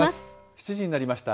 ７時になりました。